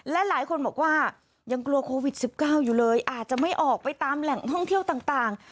และหลายคนบอกว่ายังกลัวโควิด๑๙อยู่เลยอาจจะไม่ออกไปตามแหล่งท่องเที่ยวต่าง